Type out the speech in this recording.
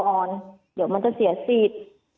เดี๋ยวมันจะเสียสิทธิ์